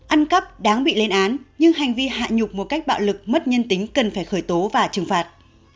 ăn cắp đáng bị lên án nhưng hành vi hạ nhục một cách bạo lực mất nhân tính cần phải khởi tố và trừng phạt